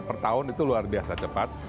empat puluh mm per tahun itu luar biasa cepat